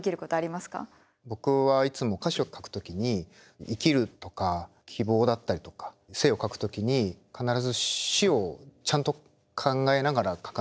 僕はいつも歌詞を書く時に生きるとか希望だったりとか生を書く時に必ず死をちゃんと考えながら書かないといけないと思っていて。